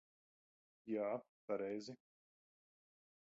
Jā, pareizi.